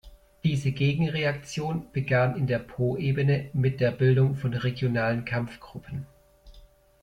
Diese Gegenreaktion begann in der Poebene mit der Bildung von regionalen Kampfgruppen.